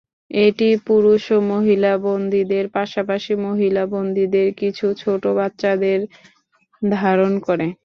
এটি পুরুষ ও মহিলা বন্দীদের, পাশাপাশি মহিলা বন্দীদের কিছু ছোট বাচ্চাদের ধারণ করে।